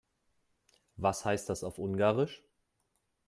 Was heißt das auf Ungarisch?